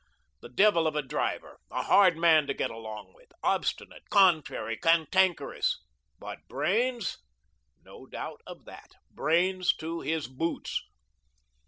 The devil of a driver, a hard man to get along with, obstinate, contrary, cantankerous; but brains! No doubt of that; brains to his boots.